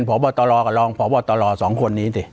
ปากกับภาคภูมิ